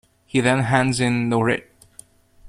He then hands in the writ.